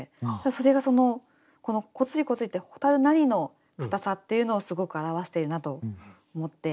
それがこの「こつりこつり」って蛍なりの硬さっていうのをすごく表しているなと思って。